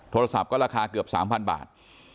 โทรศัพท์ก็ราคาเกือบ๓๐๐บาท